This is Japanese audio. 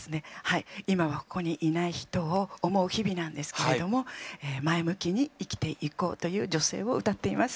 今はここにいない人を思う日々なんですけれども前向きに生きていこうという女性を歌っています。